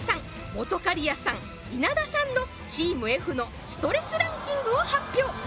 本仮屋さん稲田さんのチームＦのストレスランキングを発表